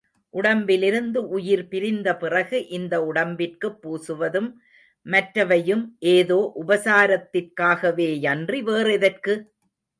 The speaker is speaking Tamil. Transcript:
உடம்பிலிருந்து உயிர் பிரிந்தபிறகு இந்த உடம்பிற்குப் பூசுவதும், மற்றவையும் ஏதோ உபசாரத்திற்காகவேயன்றி வேறெதற்கு?